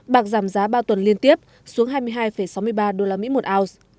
bạc giảm giá ba tuần liên tiếp xuống hai mươi hai sáu mươi ba usd một ounce